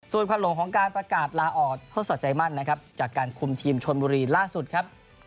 ส่วนควันหลงของการประกาศลาออกทดสอบใจมั่นนะครับจากการคุมทีมชนบุรีล่าสุดครับ